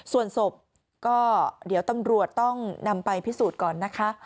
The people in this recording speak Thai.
ส่วนศพก็เดี๋ยวตำรวจต้องนำไปพิสูจน์ก่อนนะคะ